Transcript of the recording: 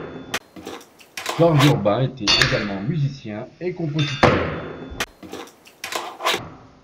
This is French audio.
Georges Urbain était également musicien et compositeur.